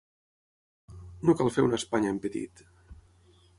No cal fer una Espanya en petit.